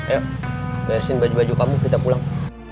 ayok gaisin baju baju kamu kita pulang